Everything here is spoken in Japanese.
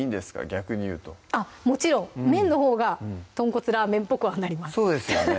逆に言うともちろん麺のほうがとんこつラーメンっぽくはなりますそうですよね